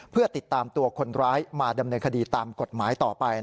เพื่อติดตามตัวคนร้ายมาดำเนินคดีตามกฎหมายต่อไป